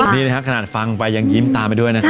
นี่นะครับขนาดฟังไปยังยิ้มตามไปด้วยนะครับ